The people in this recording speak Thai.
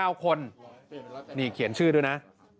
อันนี้เขียนชื่อดูนะ